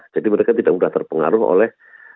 jadi mereka tidak mudah terpengaruh oleh